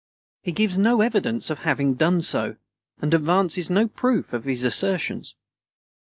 He gives no evidence of having done so, and advances no proof of his assertions.